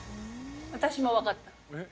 私も分かった。